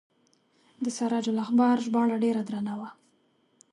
د سراج الاخبار ژباړه ډیره درنه وه.